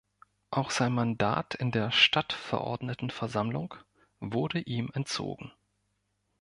Auch sein Mandat in der Stadtverordnetenversammlung wurde ihm entzogen.